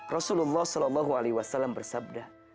rasulullah saw bersabda